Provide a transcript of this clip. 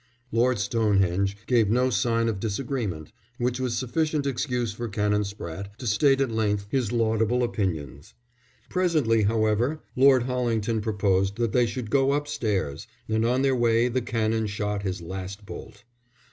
Lord Stonehenge gave no sign of disagreement, which was sufficient excuse for Canon Spratte to state at length his laudable opinions. Presently, however, Lord Hollington proposed that they should go upstairs, and on their way the Canon shot his last bolt.